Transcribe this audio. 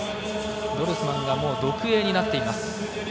ドルスマンは独泳になっています。